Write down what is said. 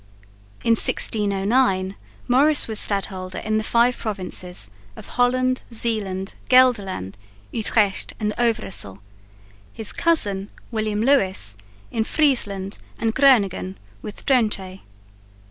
In 1609 Maurice was Stadholder in the five provinces of Holland, Zeeland, Gelderland, Utrecht and Overyssel; his cousin William Lewis in Friesland and Groningen with Drente.